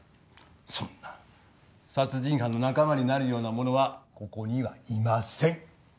そんな殺人犯の仲間になるような者はここにはいません